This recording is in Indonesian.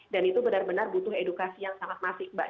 dan itu benar benar butuh edukasi yang sangat masif mbak